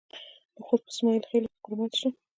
د خوست په اسماعیل خیل کې کرومایټ شته.